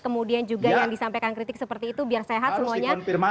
kemudian juga yang disampaikan kritik seperti itu biar sehat semuanya